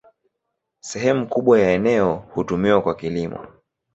Sehemu kubwa ya eneo hutumiwa kwa kilimo.